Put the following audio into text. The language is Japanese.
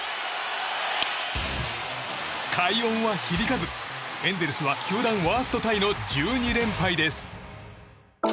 快音は響かず、エンゼルスは球団ワーストタイの１２連敗です。